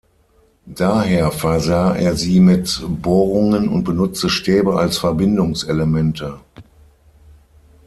Daher versah er sie mit Bohrungen und benutzte Stäbe als Verbindungselemente.